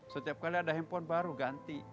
setiap kali ada handphone baru ganti